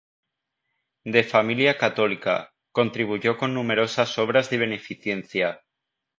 De familia católica, contribuyó con numerosas obras de beneficencia.